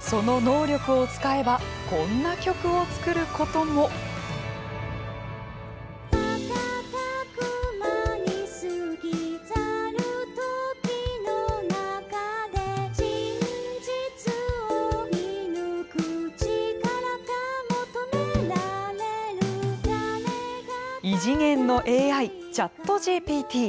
その能力を使えばこんな曲を作ることも。異次元の ＡＩＣｈａｔＧＰＴ。